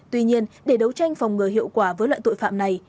tuy nhiên để đấu tranh phòng ngừa hiệu quả với loại tội phạm này